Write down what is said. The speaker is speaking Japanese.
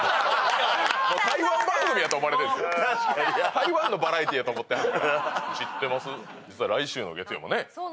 台湾のバラエティーやと思ってはる。